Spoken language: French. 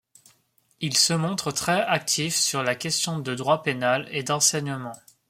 Il se montre très actif sur les questions de droit pénal et d'enseignement.